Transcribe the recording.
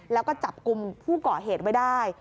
แล้วก็จับกลุ่มผู้ก่อเหตุไว้ได้